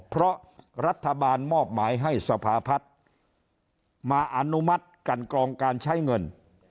เพราะรัฐบาลมอบหมายให้สภาพัฒน์มาอนุมัติกันกรองการใช้เงิน